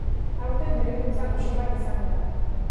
Aurten berrikuntza goxo bat izango da.